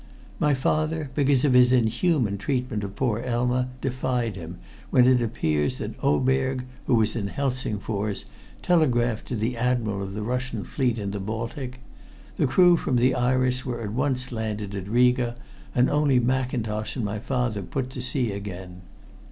My father, because of his inhuman treatment of poor Elma, defied him, when it appears that Oberg, who was in Helsingfors, telegraphed to the admiral of the Russian fleet in the Baltic. The crew from the Iris were at once landed at Riga, and only Mackintosh and my father put to sea again.